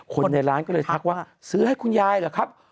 คนในร้านก็เลยทักว่าซื้อให้คุณยายเหรอครับ